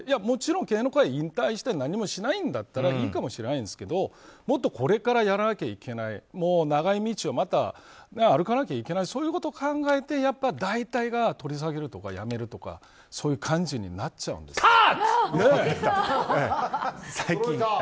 もちろん芸能界を引退して何もしないんだったらいいかもしれないんですけどこれからやらなきゃいけない長い道をまた歩かなきゃいけないそういうことを考えて大体が取り下げるとかやめるとかそういう感じになっちゃうんです。